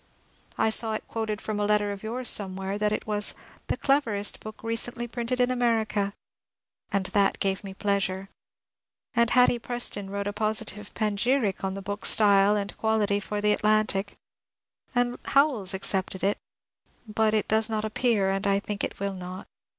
I saw it quoted from a letter of yours somewhere that it was ^^ the cleverest book recently printed in America," and that gave me pleasure. And Hatty Preston wrote a positive panegyric on the book's style and quality for the ^^ Atlantic," and Howells accepted it, — but it does not appear, and I think will not.